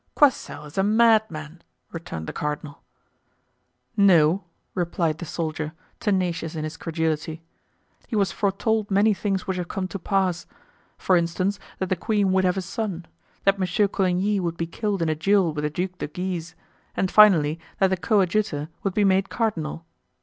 "Coysel is a madman!" returned the cardinal. "No," replied the soldier, tenacious in his credulity; "he has foretold many things which have come to pass; for instance, that the queen would have a son; that Monsieur Coligny would be killed in a duel with the Duc de Guise; and finally, that the coadjutor would be made cardinal.